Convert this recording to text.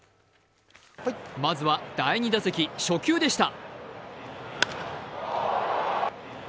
まずは第２打席、初球でした。